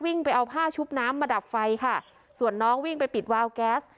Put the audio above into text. ไปเอาผ้าชุบน้ำมาดับไฟค่ะส่วนน้องวิ่งไปปิดวาวแก๊ส